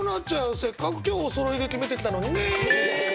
せっかく今日おそろいで決めてきたのに。ね。ね。ね。